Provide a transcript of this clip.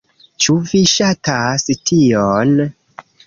Ĉu vi ŝatas tion?